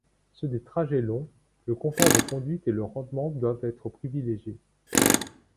Sur des trajets longs, le confort de conduite et le rendement doivent être privilégiés.